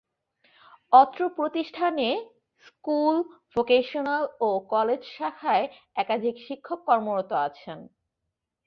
অত্র প্রতিষ্ঠান এ স্কুল, ভোকেশনাল ও কলেজ শাখায় একাধিক শিক্ষক কর্মরত আছেন।